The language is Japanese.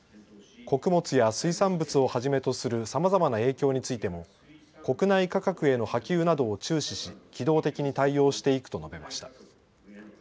穀物や水産物をはじめとするさまざまな影響についても国内価格への波及などを注視し機動的に対応していくと述べました。